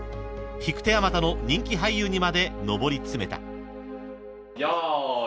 ［引く手あまたの人気俳優にまで上り詰めた］用意。